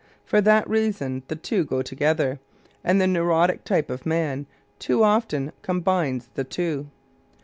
For that reason, the two go together, and the neurotic type of man too often combines the two.